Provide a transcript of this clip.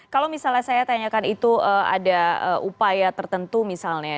kalau misalnya saya tanyakan itu ada upaya tertentu misalnya